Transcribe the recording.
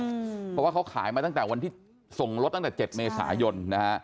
เพราะว่าเขาขายมาตั้งแต่วันที่ส่งรถตั้งแต่๗เมษายนนะฮะ